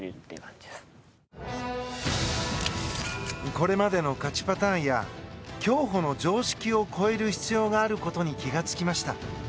これまでの勝ちパターンや競歩の常識を超える必要があることに気がつきました。